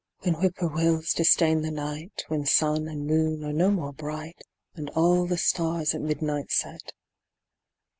When whippoorwills disdain the night, When sun and moon are no more bright, And all the stars at midnight set.